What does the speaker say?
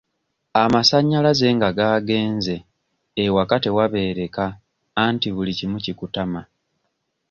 Amasannyalanze nga gaagenze ewaka tewabeereka anti buli kimu kikutama.